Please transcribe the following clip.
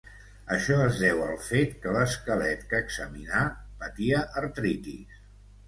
Això es deu al fet que l'esquelet que examinà patia artritis.